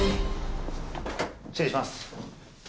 失礼します。